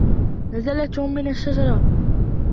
نزل توم من الشجرة.